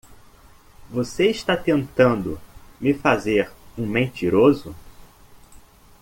Você está tentando me fazer um mentiroso?